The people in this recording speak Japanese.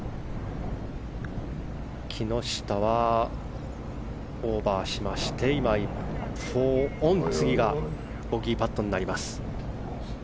木下はオーバーしまして次がボギーパットになります。